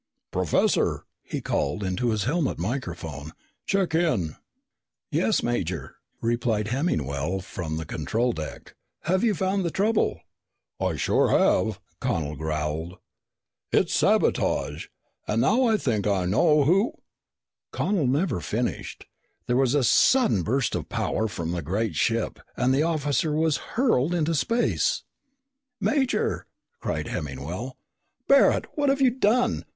"Professor," he called into his helmet microphone, "check in." "Yes, Major," replied Hemmingwell from the control deck. "Have you found the trouble?" "I sure have," Connel growled. "It's sabotage! And now I think I know who " Connel never finished. There was a sudden burst of power from the great ship and the officer was hurled into space. "Major!" cried Hemmingwell. "Barret! What have you done?